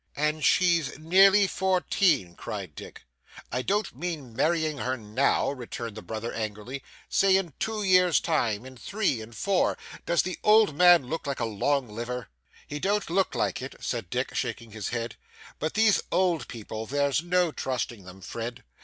'And she "nearly fourteen"!' cried Dick. 'I don't mean marrying her now' returned the brother angrily; 'say in two year's time, in three, in four. Does the old man look like a long liver?' 'He don't look like it,' said Dick shaking his head, 'but these old people there's no trusting them, Fred.